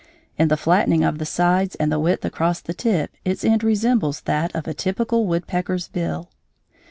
In the flattening of the sides and the width across the tip its end resembles that of a typical woodpecker's bill.